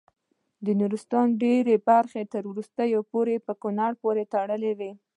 د نورستان ډیره برخه تر وروستیو پورې په کونړ پورې تړلې وه.